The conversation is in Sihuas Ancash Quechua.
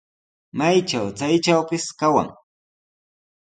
Maytraw chaytrawpis kawan.